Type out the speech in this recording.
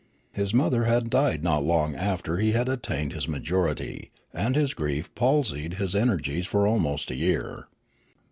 His mother had died not long after he had attained his majority, and his grief palsied his energies for almost a year.